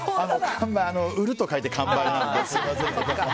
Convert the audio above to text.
売ると書いて完売なので。